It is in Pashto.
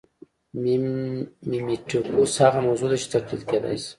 میمیټیکوس هغه موضوع ده چې تقلید کېدای شي